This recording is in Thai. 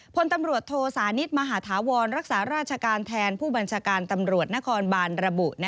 พลตำรวจโทสานิทมหาธาวรรักษาราชการแทนผู้บัญชาการตำรวจนครบานระบุ